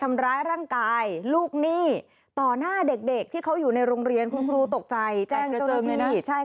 แม้กระทั่งในโรงเรียนหวัดละธิปริศนธรรมและทัก